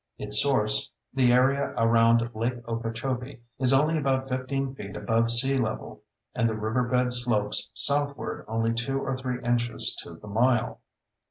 Its source, the area around Lake Okeechobee, is only about 15 feet above sea level, and the riverbed slopes southward only 2 or 3 inches to the mile.